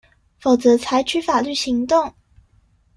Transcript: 否則採取法律行動